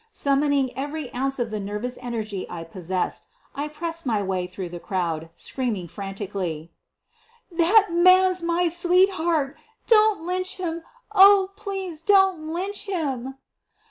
Summoning every ounce of the nervous energy I possessed I pressed my way through the crowd, screaming frantically : 1 l That man is my sweetheart ! Don 't lynch him— oh, please don 't lynch him